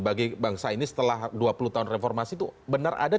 bagi bangsa ini setelah dua puluh tahun reformasi itu benar ada